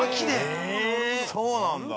◆そうなんだ。